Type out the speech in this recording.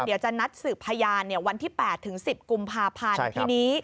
เดี๋ยวจะนัดสืบพยานวันที่๘ถึง๑๐กุมภาพันธ์ทีนี้